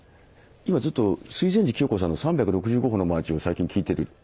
今ずっと水前寺清子さんの「三百六十五歩のマーチ」を最近聴いてる。